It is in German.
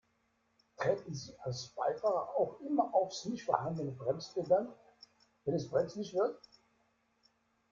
Treten Sie als Beifahrer auch immer aufs nicht vorhandene Bremspedal, wenn es brenzlig wird?